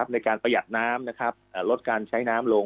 ในการประหยัดน้ำลดการใช้น้ำลง